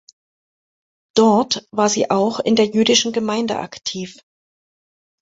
Dort war sie auch in der jüdischen Gemeinde aktiv.